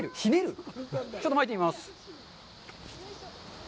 ちょっとまいてみます。